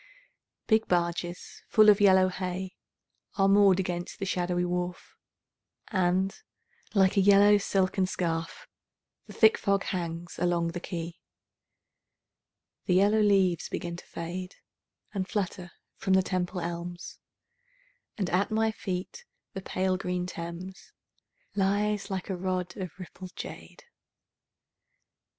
Big barges full of yellow hay Are moored against the shadowy wharf, And, like a yellow silken scarf, The thick fog hangs along the quay. The yellow leaves begin to fade And flutter from the Temple elms, And at my feet the pale green Thames Lies like a rod of rippled jade.